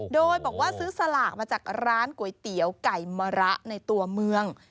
โดยบอกว่าซื้อสลากมาจากร้านก๋วยเตี๋ยวไก่มะระในตัวเมือง